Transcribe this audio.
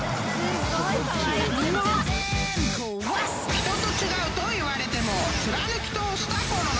［人と違うと言われても貫き通したこの我流］